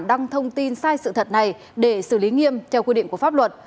đăng thông tin sai sự thật này để xử lý nghiêm theo quy định của pháp luật